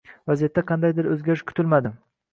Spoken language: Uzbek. Vaziyatda qandaydir oʻzgarish kuzatilmadi.